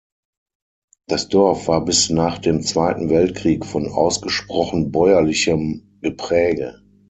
Das Dorf war bis nach dem Zweiten Weltkrieg von ausgesprochen bäuerlichem Gepräge.